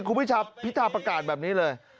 คุณพิชาพิธาประกาศแบบนี้เลย